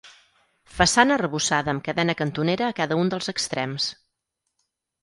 Façana arrebossada amb cadena cantonera a cada un dels extrems.